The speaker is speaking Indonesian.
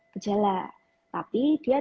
gejala tapi dia